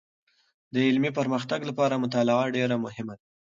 د علمي پرمختګ لپاره مطالعه ډېر مهمه ده.